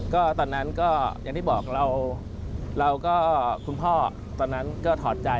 ก็ตอนนั้นก็อย่างที่บอกเราก็คุณพ่อตอนนั้นก็ถอดใจ